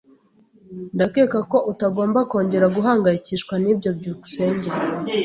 Ndakeka ko utagomba kongera guhangayikishwa nibyo. byukusenge